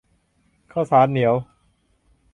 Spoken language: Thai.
ข้าวสารเหนียว